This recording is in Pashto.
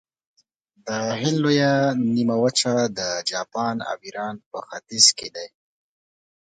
د هند لویه نیمه وچه، جاپان او ایران په ختیځ کې دي.